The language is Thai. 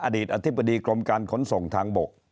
อดีตอธิบดีกรมการขนส่งทางบก